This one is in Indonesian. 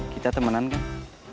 kita temenan kan